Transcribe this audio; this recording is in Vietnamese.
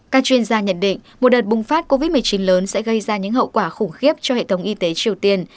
các chuyên gia nhận định một đợt bùng phát covid một mươi chín lớn sẽ gây ra những hậu quả khủng khiếp cho hệ thống y tế triều tiên